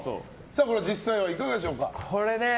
これ、実際はいかがでしょうか。